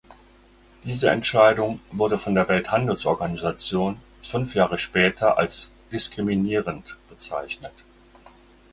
Diese Entscheidung wurde von der Welthandelsorganisation fünf Jahre später als "diskriminierend" bezeichnet.